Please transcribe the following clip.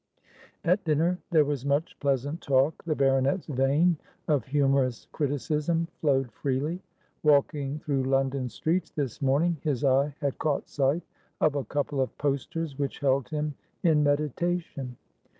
At dinner there was much pleasant talk. The baronet's vein of humourous criticism flowed freely. Walking through London streets this morning, his eye had caught sight of a couple of posters which held him in meditation.